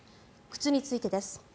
靴についてです。